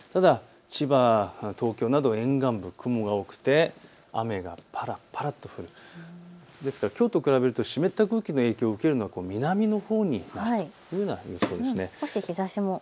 ただ千葉、東京など沿岸部、雲が多くて雨がぱらぱらと降る、ですからきょうと比べると湿った空気の影響を受けるのは南のほうなんです。